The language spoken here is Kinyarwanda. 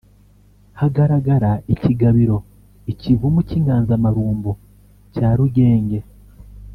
Hagaragara ikigabiro (ikivumu cy’inganzamarumbu) cya Rugenge